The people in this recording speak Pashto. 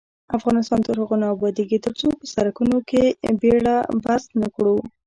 افغانستان تر هغو نه ابادیږي، ترڅو په سرکونو کې بیړه بس نکړو.